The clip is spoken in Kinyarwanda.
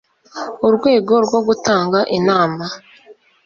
urwego rwo gutanga inama